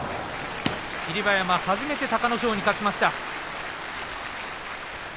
霧馬山が初めて隆の勝に勝ちました。